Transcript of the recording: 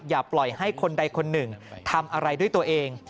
อย่าปล่อยให้คนใดคนหนึ่งทำอะไรด้วยตัวเอง